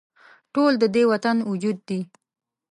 ټول د دې وطن وجود دي